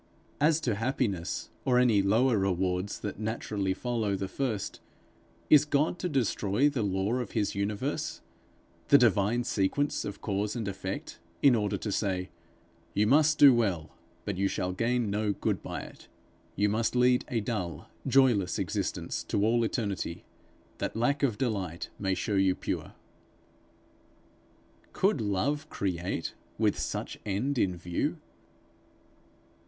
As to happiness or any lower rewards that naturally follow the first is God to destroy the law of his universe, the divine sequence of cause and effect in order to say: 'You must do well, but you shall gain no good by it; you must lead a dull joyless existence to all eternity, that lack of delight may show you pure'? Could Love create with such end in view?